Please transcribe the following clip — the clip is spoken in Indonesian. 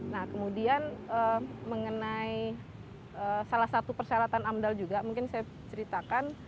nah kemudian mengenai salah satu persyaratan amdal juga mungkin saya ceritakan